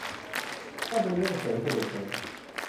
นั่นเป็นเรื่องสวย สะดวกไหม